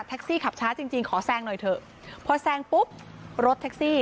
ซี่ขับช้าจริงจริงขอแซงหน่อยเถอะพอแซงปุ๊บรถแท็กซี่